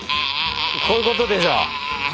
こういうことでしょ？